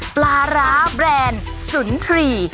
ปลาร้าแบรนด์สุนทรี